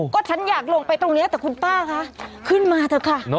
ก็ฉันอยากลงไปตรงนี้แต่คุณป้าคะขึ้นมาเถอะค่ะ